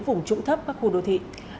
vùng trũng thấp các khu đô thị